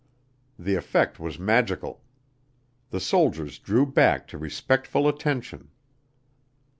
The effect was magical. The soldiers drew back to respectful attention.